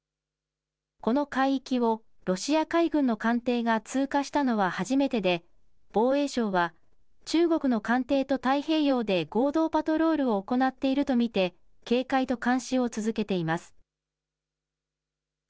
この海域をロシア海軍の艦艇が通過したのは初めてで、防衛省は中国の艦艇と太平洋で合同パトロールを行っていると見て、警戒と監視を続けています。